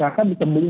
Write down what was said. itu bisa dipilih